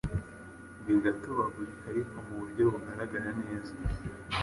bigatobagurika ariko mu buryo bugaragara neza